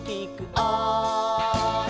「おい！」